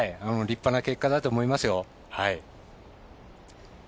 立派な結果だと思いますよ。